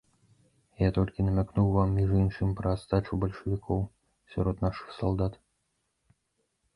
Я толькі намякнуў вам, між іншым, пра астачу бальшавікоў сярод нашых салдат.